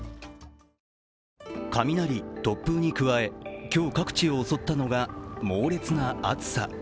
雷、突風に加え今日、各地を襲ったのが猛烈な暑さ。